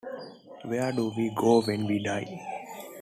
Where do we go when we die?